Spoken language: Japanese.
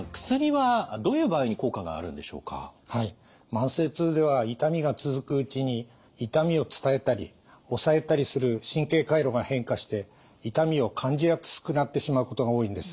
慢性痛では痛みが続くうちに痛みを伝えたり抑えたりする神経回路が変化して痛みを感じやすくなってしまうことが多いんです。